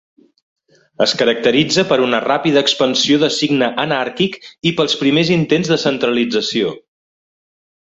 Es caracteritza per una ràpida expansió de signe anàrquic, i pels primers intents de centralització.